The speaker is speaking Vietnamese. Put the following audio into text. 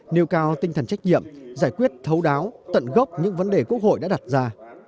nêu cao tinh thần trách nhiệm giải quyết thấu đáo tận gốc những vấn đề quốc hội đã đặt ra